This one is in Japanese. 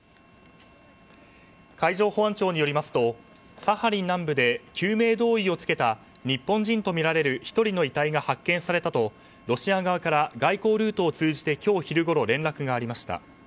海上保安庁によりますとサハリン南部で救命胴衣を着けた日本人とみられる１人の遺体が発見されたとロシア側から外交ルートを通じて今日昼ごろ連絡がありました。